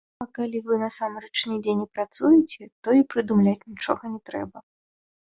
А калі вы насамрэч нідзе не працуеце, то і прыдумляць нічога не трэба.